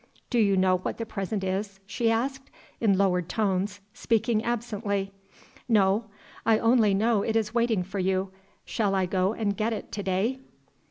"Do you know what the present is?" she asked, in lowered tones, speaking absently. "No. I only know it is waiting for you. Shall I go and get it to day?"